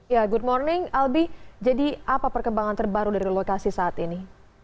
ya good morning albi jadi apa perkembangan terbaru dari lokasi saat ini